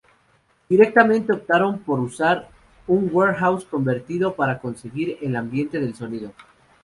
Directamente optaron por usar un warehouse convertido para conseguir el ambiente del sonido.